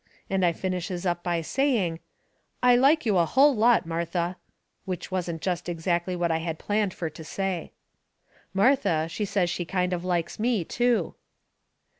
And I finishes up by saying: "I like you a hull lot, Martha." Which wasn't jest exactly what I had planned fur to say. Martha, she says she kind of likes me, too.